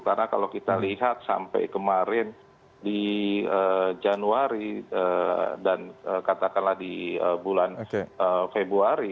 karena kalau kita lihat sampai kemarin di januari dan katakanlah di bulan februari